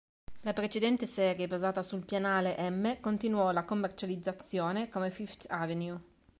La precedente serie basata sul pianale M continuò la commercializzazione come Fifth Avenue.